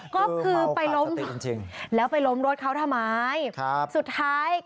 ก็คือไปล้มแล้วไปล้มรถเขาทำไมสุดท้ายคือเมาการสติจริง